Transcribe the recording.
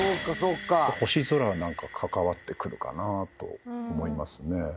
星空はなんか関わってくるかなと思いますね。